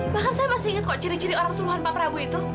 bahkan saya masih ingat kok ciri ciri orang suruhan pak prabowo itu